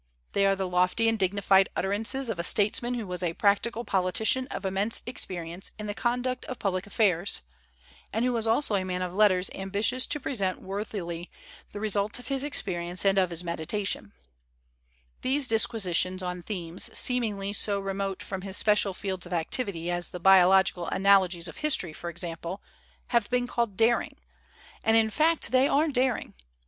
They are the lofty and dignified utterances of a statesman who was a practical politician of immense experience in the conduct of public affairs, and who was also a man of letters ambitious to present worthily the re sults of his experience and of his meditation, disquisitions on themes seemingly so re mote from his special fields of activity as the biological analogies of history, for example, have been called daring; and in fact they arc dar ing.